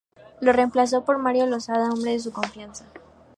Lo reemplazó por Mario Losada, hombre de su confianza.